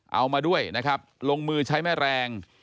เอามาด้วยนะครับลงมือใช้แม่แรง